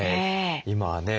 今はね